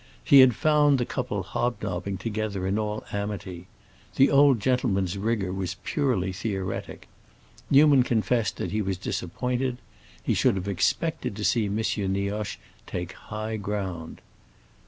He had found the couple hobnobbing together in all amity; the old gentleman's rigor was purely theoretic. Newman confessed that he was disappointed; he should have expected to see M. Nioche take high ground.